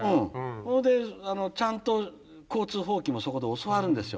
それでちゃんと交通法規もそこで教わるんですよ。